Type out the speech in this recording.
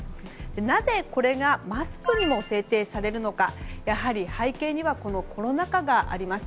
なぜこれがマスクにも制定されるのかやはり背景にはコロナ禍があります。